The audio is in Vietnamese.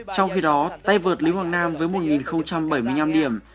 trong khi đó tay vợt lý hoàng nam với một bảy mươi năm điểm